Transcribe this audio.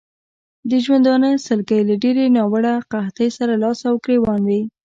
د ژوندانه سلګۍ له ډېرې ناوړه قحطۍ سره لاس او ګرېوان وې.